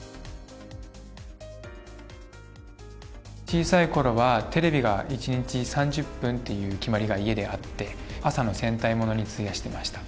小さい頃はテレビが１日３０分っていう決まりが家ではあって朝の戦隊モノに費やしていました。